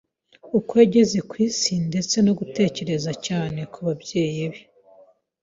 uko yageze ku isi ndetse no gutekereza cyane ku babyeyi be